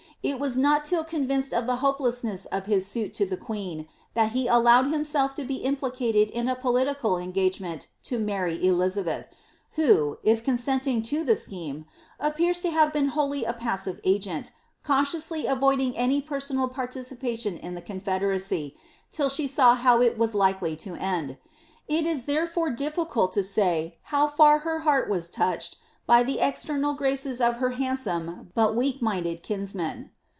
It was not till convinced of the hopelessness of his suit to the queen, that he allowed himself to be implicated in a political engagement to marry Elizabeth, who, if consenting to the scheme, appears to have been wholly a passive agent, cautiously avoiding any personal partici pation in the confederacy, till she saw how it was likely to end. It is therefore dithcult to say how far her heart was touched by the external graces of her handsome but weak minded kinsman.'